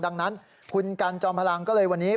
ดังนั้นคุณกันจอมพลังก็เลยวันนี้